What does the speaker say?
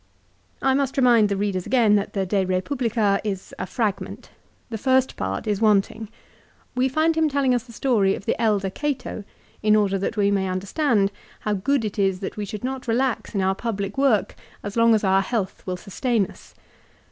I must remind the readers again that the " De Eepublica " is a fragment. The first part is wanting. We find him telling us the story of the elder Cato in order that we may understand how good it is that we should not relax in our public work as long as our health will sustain us.